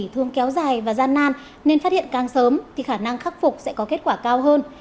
thường kéo dài và gian nan nên phát hiện càng sớm thì khả năng khắc phục sẽ có kết quả cao hơn